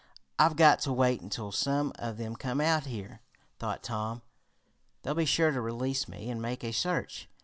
"I've got to wait until some of them come out here," thought Tom. "They'll be sure to release me and make a search.